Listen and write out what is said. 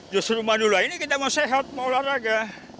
justru manula ini kita mau sehat mau olahraga